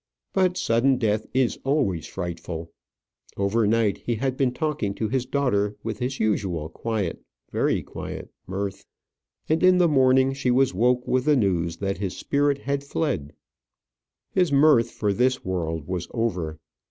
But sudden death is always frightful. Overnight he had been talking to his daughter with his usual quiet, very quiet, mirth; and in the morning she was woke with the news that his spirit had fled. His mirth for this world was over.